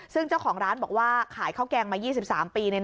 ซึ่งเจ้าของร้านบอกว่าขายข้าวแกงมา๒๓ปี